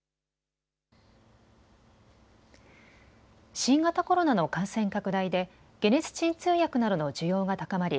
新型コロナの感染拡大で解熱鎮痛薬などの需要が高まり